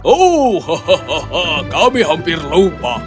oh hahaha kami hampir lupa